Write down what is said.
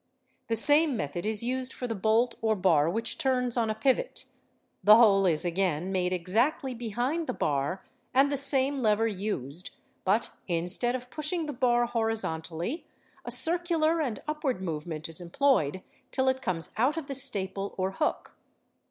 The same method is used for the bolt or bar — which turns on a pivot, the hole is again made exactly behind the bar and the same lever used, but instead of pushing the bar horizontally, a circular " and upward movement is employed till it comes out of the staple or hook.